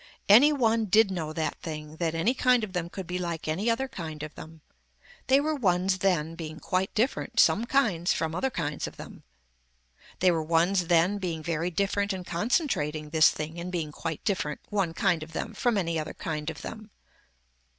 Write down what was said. Any one did know that thing, that any kind of them could be like any other kind of them. They were ones then being quite different some kinds from other kinds of them. They were ones then being very different in concentrating this thing in being quite different one kind of them from any other kind of them.